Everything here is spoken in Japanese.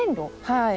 はい。